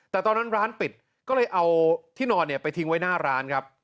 แต่ตอนนั้นร้านปิดก็เลยเอาที่นอนเนี่ยไปทิ้งไว้หน้าร้านครับ